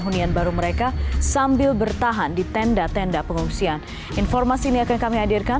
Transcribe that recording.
hunian baru mereka sambil bertahan di tenda tenda pengungsian informasi ini akan kami hadirkan